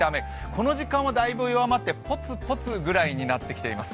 この時間はだいぶ弱まって、ポツポツぐらいになってきています。